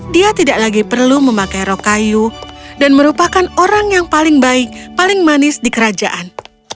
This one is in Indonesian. dia tidak lagi perlu memakai rok kayu dan merupakan orang yang paling baik paling manis di kerajaan